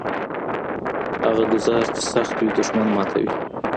هغه ګوزار چي سخت وي دښمن ماتوي.